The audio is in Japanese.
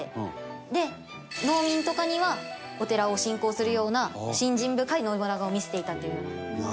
で農民とかにはお寺を信仰するような信心深い信長を見せていたというような。